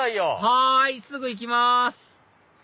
はいすぐ行きます